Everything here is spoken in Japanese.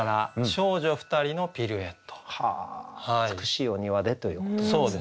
美しいお庭でということなんですね。